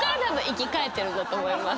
「生き返ってると思います」